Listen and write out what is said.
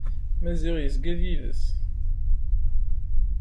Maziɣ yezga d yid-s.